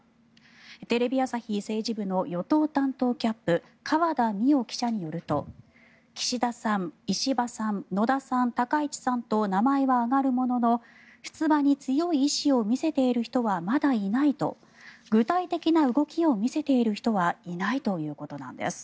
テレビ朝日政治部の与党担当キャップ河田実央記者によると岸田さん、石破さん、野田さん高市さんと名前は上がるものの出馬に強い意志を見せている人はまだいないと具体的な動きを見せている人はいないということなんです。